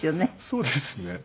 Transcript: そうですね。